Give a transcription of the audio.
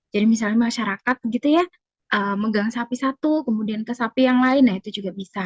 jadi misalnya masyarakat gitu ya megang sapi satu kemudian ke sapi yang lain itu juga bisa